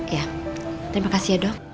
ya terima kasih ya dok